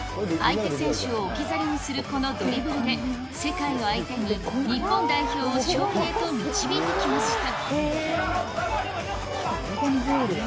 相手選手を置き去りにするこのドリブルで、世界の相手に日本代表を勝利へと導いてきました。